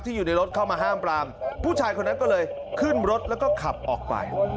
อยู่ในรถเข้ามาห้ามปรามผู้ชายคนนั้นก็เลยขึ้นรถแล้วก็ขับออกไป